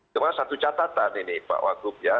cuma satu catatan ini pak wagub ya